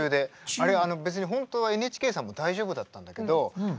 あれ別に本当はＮＨＫさんも大丈夫だったんだけど。